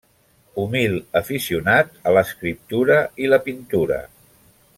Humil aficionat a l'escriptura i la pintura.